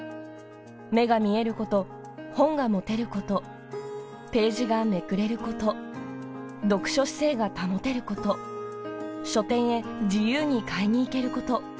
目が見えること、本が持てること、ページがめくれること、読書姿勢が保てること、書店へ自由に買いに行けること。